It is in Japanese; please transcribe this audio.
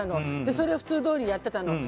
それを普通どおりにやっていたの。